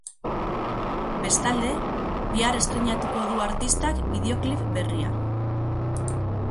Bestalde, bihar estreinatuko du artistak bideoklip berria.